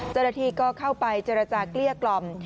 เจ้าหน้าที่ก็เข้าไปเจรจาเกลี้ยกล่อม